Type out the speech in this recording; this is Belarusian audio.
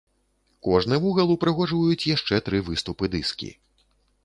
Кожны вугал упрыгожваюць яшчэ тры выступы-дыскі.